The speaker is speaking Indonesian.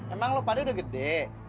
emang lo pada udah gede